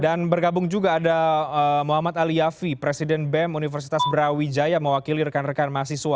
dan bergabung juga ada muhammad ali yafi presiden bem universitas brawijaya mewakili rekan rekan mahasiswa